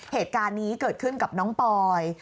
เหตุการณ์นี้เกิดขึ้นกับน้องปอย